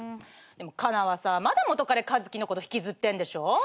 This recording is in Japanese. でもカナはさまだ元カレカズキのこと引きずってんでしょ？